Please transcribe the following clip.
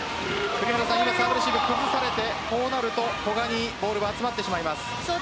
今、サーブレシーブ崩されてこうなると古賀にボールが集まってしまいます。